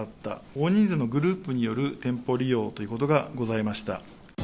大人数のグループによる店舗利用ということがございました。